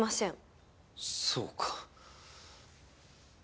そうか。